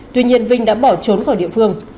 tuy nhiên vinh đã bỏ trốn khỏi địa phương